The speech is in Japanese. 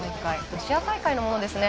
ロシア大会のものですね。